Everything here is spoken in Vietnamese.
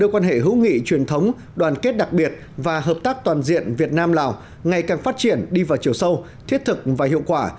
quan hệ hữu nghị truyền thống đoàn kết đặc biệt và hợp tác toàn diện việt nam lào ngày càng phát triển đi vào chiều sâu thiết thực và hiệu quả